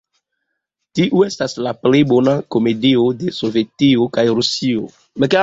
Tiu estas la plej bona komedio de Sovetio kaj Rusio!